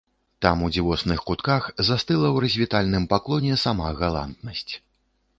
Там у дзівосных кутках застыла ў развітальным паклоне сама галантнасць.